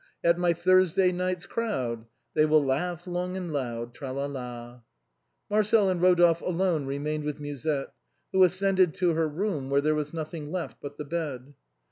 At my Thursday night's crowd They will laugh long and loud, tralala." Marcel and Rodolphe alone remained with Musette, who ascended to her room where there was nothing left but the bed.